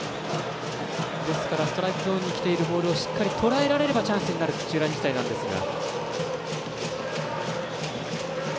ですからストライクゾーンにくるボールをしっかりとらえられればチャンスになる土浦日大なんですが。